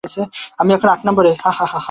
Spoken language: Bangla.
আমি কেমন করিয়া উদ্ধার করিব।